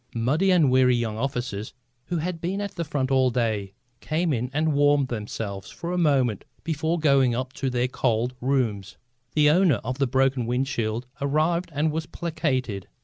Muddy and weary young officers, who had been at the front all day, came in and warmed themselves for a moment before going up to their cold rooms. The owner of the broken wind shield arrived and was placated.